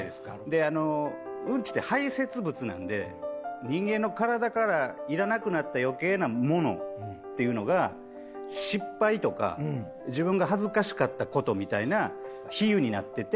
であのうんちって排泄物なので人間の体からいらなくなった余計なものっていうのが失敗とか自分が恥ずかしかった事みたいな比喩になってて。